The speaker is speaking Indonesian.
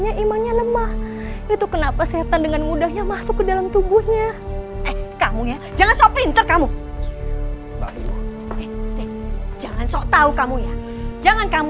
heeeey dulu cobam kartu atau belum tahu kontrolera diriku